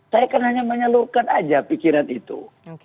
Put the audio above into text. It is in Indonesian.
saya kan hanya menyalurkan aja pikiran itu